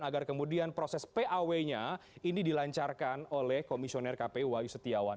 agar kemudian proses paw nya ini dilancarkan oleh komisioner kpu wayu setiawan